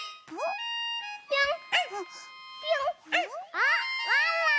あワンワン！